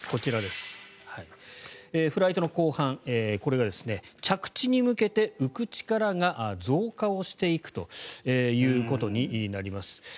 こちら、フライトの後半これが着地に向けて浮く力が増加していくということになります。